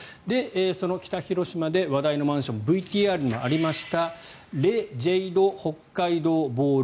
その北広島で話題のマンションＶＴＲにもありましたレ・ジェイド北海道ボール